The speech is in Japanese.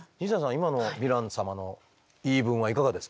今のヴィラン様の言い分はいかがですか？